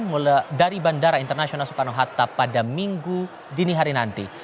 mulai dari bandara internasional soekarno hatta pada minggu dini hari nanti